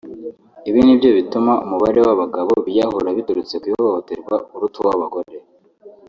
Ibi ni nabyo bituma umubare w’abagabo biyahura biturutse ku ihohoterwa uruta uw’abagore